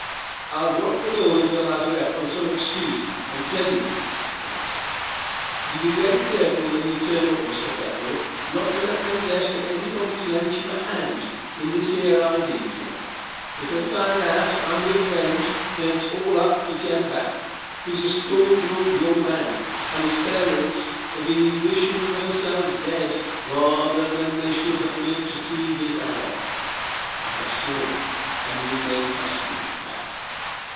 "I'll drop below into the lazarette on some excuse and tell you," he answered. "You'll be very careful when you turn up, Mr. Peploe, not to let them guess that anybody's lent you a hand in this here hiding job. If they find out I'm your friend, then it's all up with Jem Back. He's a stone broke young man, and his parents'll be wishing of themselves dead rather than they should have lived to see this hour." "I have sworn, and you may trust me, Back."